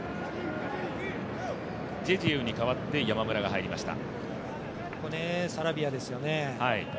ジェジエウに代わって山村が入りました。